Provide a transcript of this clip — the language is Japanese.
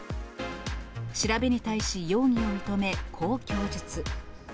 調べに対し、容疑を認め、こう供述。